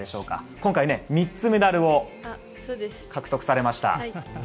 今回、３つメダルを獲得されました。